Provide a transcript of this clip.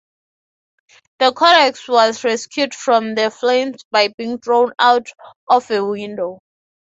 The codex was rescued from the flames by being thrown out of a window.